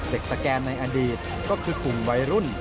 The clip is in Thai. เด็กสแกนในอดีตก็คือคุงวัยรุ่น